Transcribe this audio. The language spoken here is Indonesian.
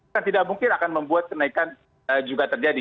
kan tidak mungkin akan membuat kenaikan juga terjadi